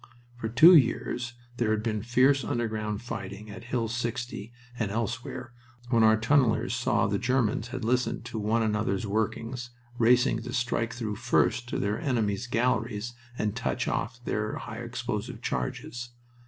For two years there had been fierce underground fighting at Hill 60 and elsewhere, when our tunnelers saw the Germans had listened to one another's workings, racing to strike through first to their enemies' galleries and touch off their high explosive charges.